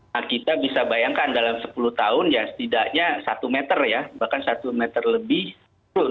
nah kita bisa bayangkan dalam sepuluh tahun ya setidaknya satu meter ya bahkan satu meter lebih turun